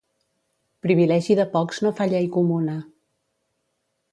Privilegi de pocs no fa llei comuna.